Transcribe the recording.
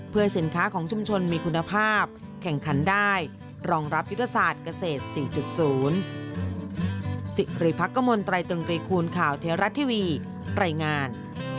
เพื่อให้สินค้าของชุมชนมีคุณภาพแข่งขันได้รองรับยุทธศาสตร์เกษตร๔๐